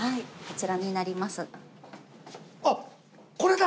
こちらになります。